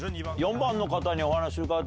４番の方にお話伺って。